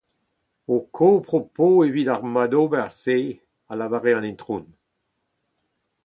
Ho kopr ho po evit ar madober-se, a lavare an itron.